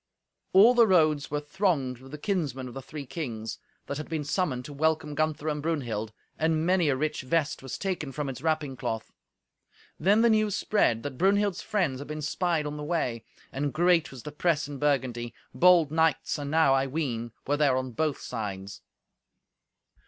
All the roads were thronged with the kinsmen of the three kings, that had been summoned to welcome Gunther and Brunhild, and many a rich vest was taken from its wrapping cloth. Then the news spread, that Brunhild's friends had been spied on the way. And great was the press in Burgundy. Bold knights, enow, I ween, were there on both sides!